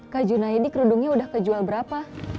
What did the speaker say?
kak junaidi kerudungnya udah kejual berapa